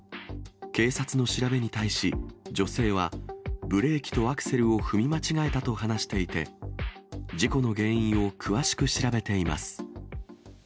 警察の調べに対し、女性はブレーキとアクセルを踏み間違えたと話していて、事故の原因を詳しく調べています。